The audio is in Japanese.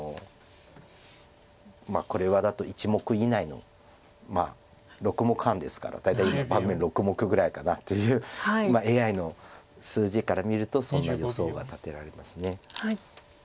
これは１目以内の６目半ですから大体盤面６目ぐらいかなというＡＩの数字から見るとそんな予想が立てられます。